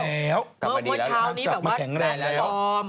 เเมื่อวันเช้านี้แบบว่านางก็ทำซ้อม